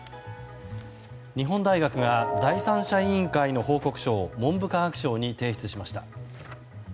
日本大学が第三者委員会の報告書を文部科学省に提出しました。